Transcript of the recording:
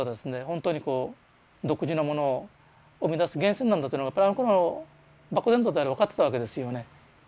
ほんとにこう独自のものを生みだす源泉なんだっていうのをやっぱりあのころ漠然とであれ分かってたわけですよね。